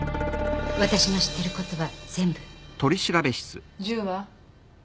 私の知ってることは全部銃は？